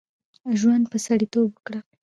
ژوند په سړیتوب وکړه.